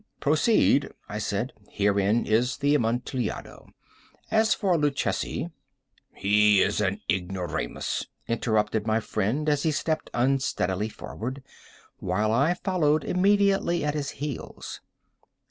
"Proceed," I said; "herein is the Amontillado. As for Luchesi—" "He is an ignoramus," interrupted my friend, as he stepped unsteadily forward, while I followed immediately at his heels.